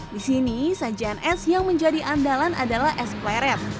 di sini sajian es yang menjadi andalan adalah es pleret